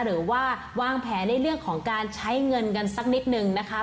หรือว่าวางแผนในเรื่องของการใช้เงินกันสักนิดนึงนะคะ